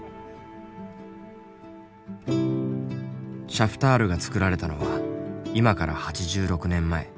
シャフタールがつくられたのは今から８６年前。